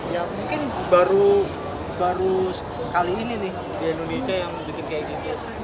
ya mungkin baru kali ini nih di indonesia yang bikin kayak gini